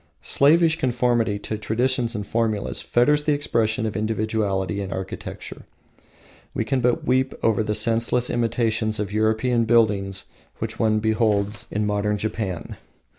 Slavish conformity to traditions and formulas fetters the expression of individuality in architecture. We can but weep over the senseless imitations of European buildings which one beholds in modern Japan.